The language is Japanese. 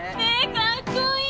かっこいい！